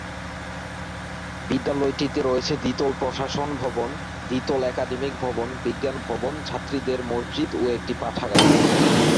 বিদ্যালয়টিতে রয়েছে দ্বিতল প্রশাসন ভবন, দ্বিতল একাডেমিক ভবন, বিজ্ঞান ভবন, ছাত্রীদের মসজিদ ও একটি পাঠাগার।